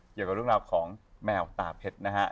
เกี่ยวกับเรื่องราวของแมวตาเพชรนะฮะ